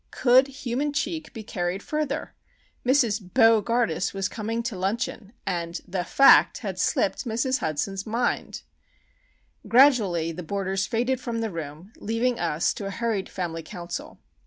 Could human cheek be carried further? Mrs. Bo gardus was coming to luncheon, and the fact had slipped Mrs. Hudson's mind! Gradually the boarders faded from the room, leaving us to a hurried family council.